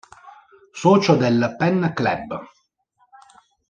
Socio del Pen Club.